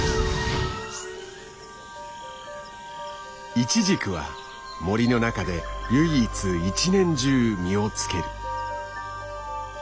イチジクは森の中で唯一一年中実をつける。